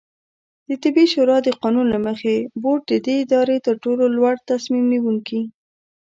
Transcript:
دطبي شورا د قانون له مخې، بورډ د دې ادارې ترټولو لوړتصمیم نیونکې